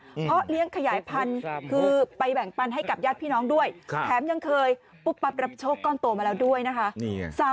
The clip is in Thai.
เพราะเลี้ยงขยายพันธุ์คือไปแบ่งปันให้กับญาติพี่น้องด้วยแถมยังเคยปุ๊บปั๊บรับโชคก้อนโตมาแล้วด้วยนะคะ